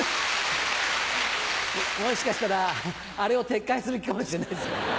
もしかしたらアレを撤回する気かもしれないですよ。